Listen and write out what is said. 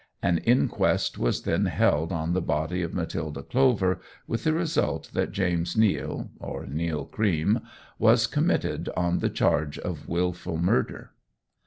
An inquest was then held on the body of Matilda Clover, with the result that James Neill, or Neill Cream, was committed on the charge of wilful murder.